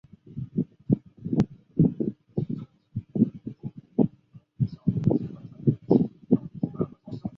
匈牙利领土上的所有邮局受控于匈牙利邮政管理局。